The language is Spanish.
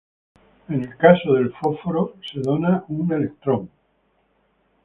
En el caso del Fósforo, se dona un electrón.